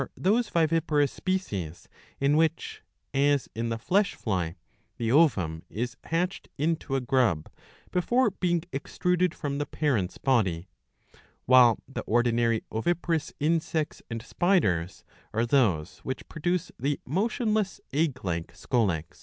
those viviparous species, in which, as in the flesh fly, the ovum is hatched into a grub before being extruded from the parent's body ; while the ordinary oviparous insects and spiders are those which produce ' the motionless egg like scolex.